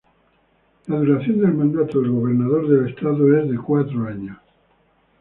La duración del mandato del gobernador del estado es de cuatro años.